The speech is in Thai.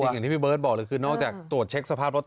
อย่างที่พี่เบิร์ตบอกเลยคือนอกจากตรวจเช็คสภาพรถ